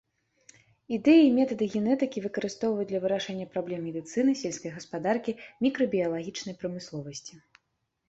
Ідэі і метады генетыкі выкарыстоўваюць для вырашэння праблем медыцыны, сельскай гаспадаркі, мікрабіялагічнай прамысловасці.